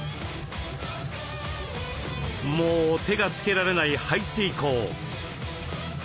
もう手がつけられない排水口。